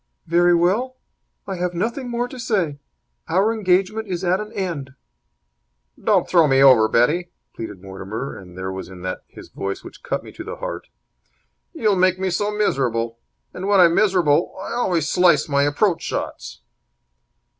"Very well. I have nothing more to say. Our engagement is at an end." "Don't throw me over, Betty," pleaded Mortimer, and there was that in his voice which cut me to the heart. "You'll make me so miserable. And, when I'm miserable, I always slice my approach shots."